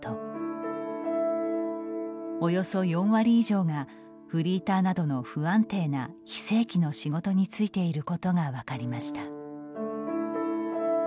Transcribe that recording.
およそ４割以上がフリーターなどの不安定な非正規の仕事に就いていることが分かりました。